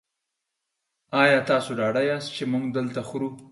ایا تاسو ډاډه یاست چې موږ دلته خورو؟